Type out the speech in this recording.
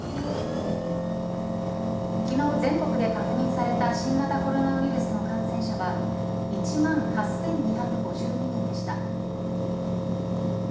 昨日、全国で確認された新型コロナウイルスの感染者は１万８２５２人でした。